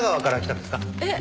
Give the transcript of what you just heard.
えっ？